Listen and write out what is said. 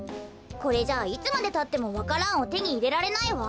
これじゃいつまでたってもわか蘭をてにいれられないわ。